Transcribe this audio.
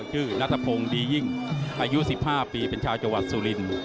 ชื่อนัทพงศ์ดียิ่งอายุ๑๕ปีเป็นชาวจังหวัดสุรินทร์